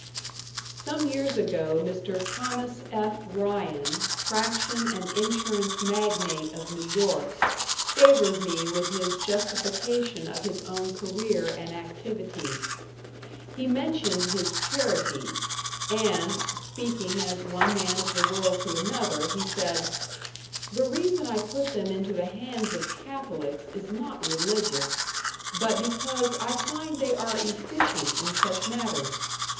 Some years ago Mr. Thomas F. Ryan, traction and insurance magnate of New York, favored me with his justification of his own career and activities. He mentioned his charities, and, speaking as one man of the world to another, he said: "The reason I put them into the hands of Catholics is not religious, but because I find they are efficient in such matters.